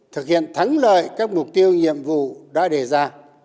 thực hiện thắng lợi các mục tiêu nhiệm vụ đã đề ra